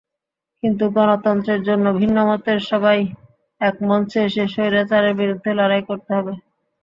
কিন্তু গণতন্ত্রের জন্য ভিন্নমতের সবাই একমঞ্চে এসে স্বৈরাচারের বিরুদ্ধে লড়াই করতে হবে।